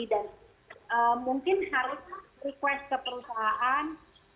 dan mungkin harus request ke perusahaan